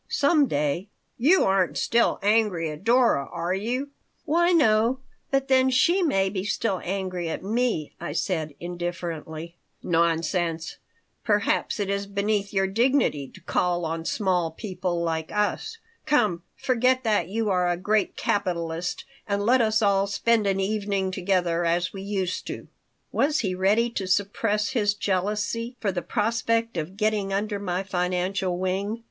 "Some day." "You aren't still angry at Dora, are you?" "Why, no. But then she may be still angry at me," I said, indifferently "Nonsense. Perhaps it is beneath your dignity to call on small people like us? Come, forget that you are a great capitalist and let us all spend an evening together as we used to." Was he ready to suppress his jealousy for the prospect of getting under my financial wing?